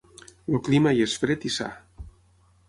El clima hi és fred i sa.